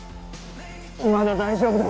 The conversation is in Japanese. まだ大丈夫だ。